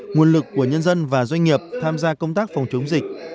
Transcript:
nguồn lực của nhân dân và doanh nghiệp tham gia công tác phòng chống dịch